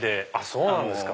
そうなんですか。